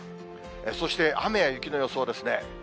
そして雨や雪の予想ですね。